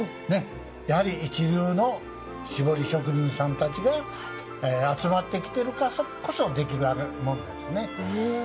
やはり、一流の絞り職人さんたちが集まってきてるからこそできるもんなんですね。